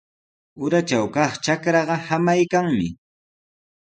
Uratraw kaq trakraaqa samaykanmi.